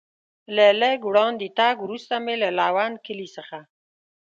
له لږ وړاندې تګ وروسته مې له لوند کلي څخه.